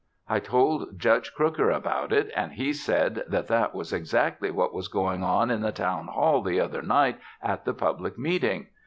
I told Judge Crooker about it and he said that that was exactly what was going on in the Town Hall the other night at the public meeting."